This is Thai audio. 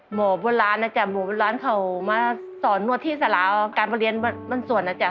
หมวบวนร้านนะจ๊ะหมวบวนร้านเขามาสอนนวดที่สลาการมาเรียนบ้านส่วนนะจ๊ะ